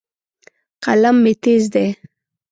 قلم مې تیز دی.